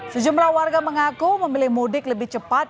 sejumlah warga mengaku memilih mudik lebih cepat